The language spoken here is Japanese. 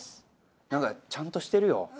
なんかちゃんとしてるよ